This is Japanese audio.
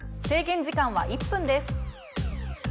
制限時間は１分です。